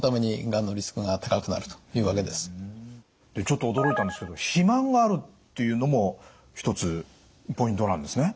ちょっと驚いたんですけど「肥満がある」っていうのも一つポイントなんですね？